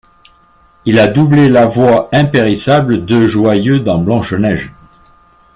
Il a doublé la voix impérissable de Joyeux dans Blanche-Neige.